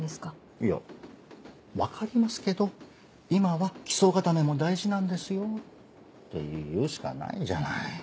いや「分かりますけど今は基礎固めも大事なんですよ」って言うしかないじゃない。